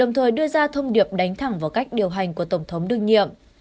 ông trump đã đưa ra thông điệp đánh thẳng vào cách điều hành của tổng thống đương nhiệm